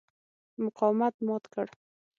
مقاومت مات کړ.